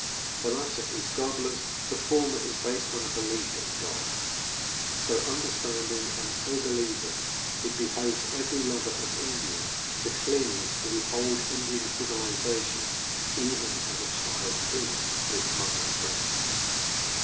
The latter is godless, the former is based on a belief in God. So understanding and so believing, it behoves every lover of India to cling to the old Indian civilization even as a child clings to its mother's breast.